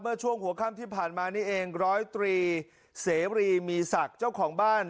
ช่วงหัวค่ำที่ผ่านมานี่เองร้อยตรีเสรีมีศักดิ์เจ้าของบ้าน